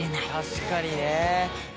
確かにね。